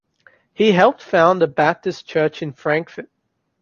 He helped found a Baptist church in Frankfort.